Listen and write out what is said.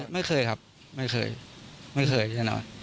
ไม่เคยครับไม่เคยไม่เคยแน่นอน